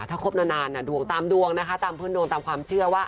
ถ้าครบนานดวงตามดวงนะคะตามพื้นดวงตามความเชื่อว่า